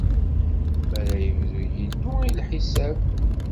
Mi ara ibdu Yillu i lḥisab.